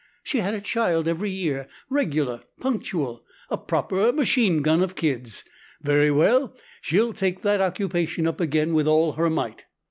She had a child every year, regular, punctual a proper machine gun of kids. Very well, she'll take that occupation up again with all her might."